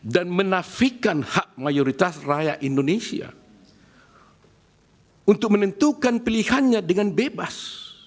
dan menafikan hak mayoritas rakyat indonesia untuk menentukan pilihannya dengan bebas